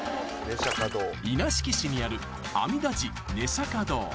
稲敷市にある阿弥陀寺寝釈迦堂